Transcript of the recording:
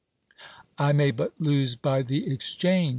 I may but lose by the exchange.